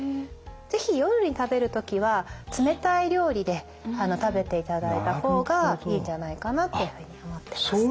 是非夜に食べる時は冷たい料理で食べていただいた方がいいんじゃないかなっていうふうに思ってます。